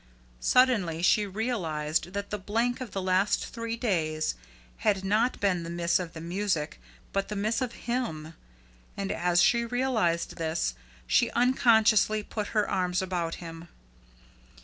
Suddenly she realised that the blank of the last three days had not been the miss of the music, but the miss of HIM; and as she realised this, she unconsciously put her arms about him.